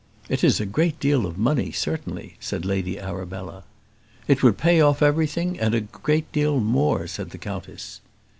"It is a great deal of money, certainly," said Lady Arabella. "It would pay off everything, and a great deal more," said the countess.